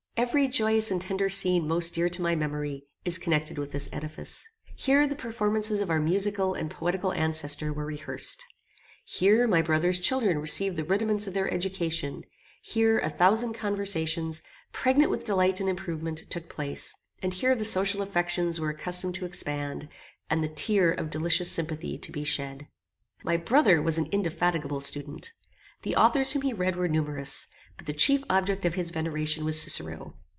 Every joyous and tender scene most dear to my memory, is connected with this edifice. Here the performances of our musical and poetical ancestor were rehearsed. Here my brother's children received the rudiments of their education; here a thousand conversations, pregnant with delight and improvement, took place; and here the social affections were accustomed to expand, and the tear of delicious sympathy to be shed. My brother was an indefatigable student. The authors whom he read were numerous, but the chief object of his veneration was Cicero.